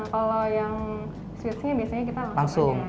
kalau yang switch nya biasanya kita langsung